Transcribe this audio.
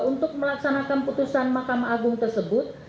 untuk melaksanakan putusan mahkamah agung tersebut